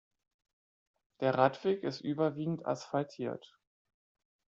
Der Radweg ist überwiegend asphaltiert.